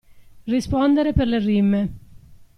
Rispondere per le rime.